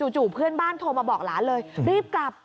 เพื่อนบ้านโทรมาบอกหลานเลยรีบกลับ